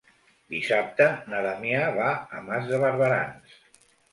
Dissabte na Damià va a Mas de Barberans.